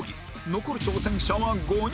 残る挑戦者は５人